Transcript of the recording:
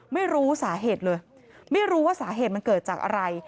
ไม่รู้สาเหตุเลยไม่รู้ว่าสาเหตุมันเกิดจากอะไร